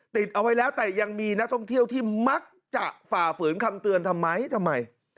ติดเอาไว้แล้วแต่ยังมีนักท่องเที่ยวที่มักจะฝ่าฝืนคำเตือนทำไมทำไม